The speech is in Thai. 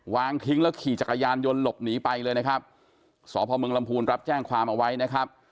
วางทิ้งแล้วขี่จักรยานยนต์หลบหนีไปเลยนะครับสพมลำพูนรับแจ้งความเอาไว้นะครับ